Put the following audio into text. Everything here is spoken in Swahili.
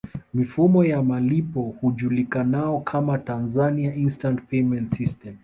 Mifumo ya malipo hujulikanao kama Tanzania Instant Payment System